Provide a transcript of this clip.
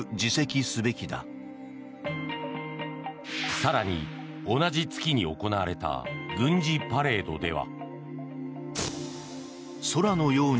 更に、同じ月に行われた軍事パレードでは。